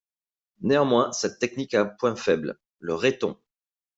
Néanmoins, cette technique a point faible, le Raiton.